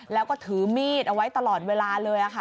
แล้วก็ถือมีดเอาไว้ตลอดเวลาเลยค่ะ